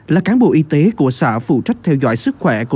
là cán bộ y tế của xã phụ trách theo dõi sức khỏe của